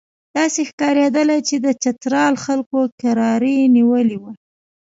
داسې ښکارېدله چې د چترال خلکو کراري نیولې وه.